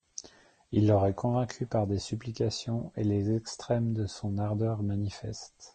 Il l'aurait convaincue par des supplications et les extrêmes de son ardeur manifeste.